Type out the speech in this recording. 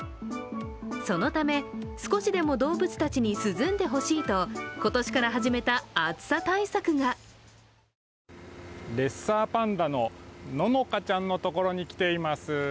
そのため、少しでも動物たちに涼んでほしいと今年から始めた暑さ対策がレッサーパンダ野乃香ちゃんのところにきています。